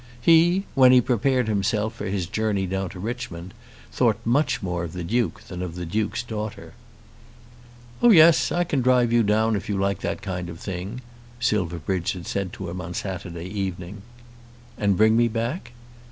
He, when he prepared himself for his journey down to Richmond, thought much more of the Duke than of the Duke's daughter. "Oh yes, I can drive you down if you like that kind of thing," Silverbridge said to him on the Saturday evening. "And bring me back?"